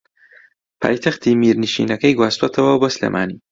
پایتەختی میرنشینەکەی گواستووەتەوە بۆ سلێمانی